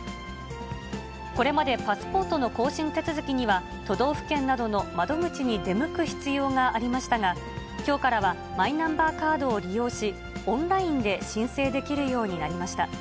これまでパスポートの更新手続きには、都道府県などの窓口に出向く必要がありましたが、きょうからは、マイナンバーカードを利用し、オンラインで申請できるようになりました。